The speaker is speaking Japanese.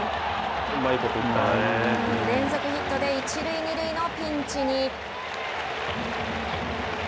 連続ヒットで一塁二塁のピンチに。